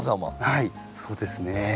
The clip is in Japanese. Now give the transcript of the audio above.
はいそうですね。